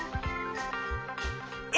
え